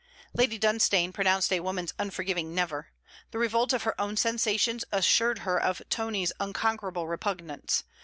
Lady Dunstane pronounced a woman's unforgiving: 'Never.' The revolt of her own sensations assured her of Tony's unconquerable repugnance.